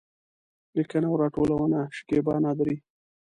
لیکنه او راټولونه: شکېبا نادري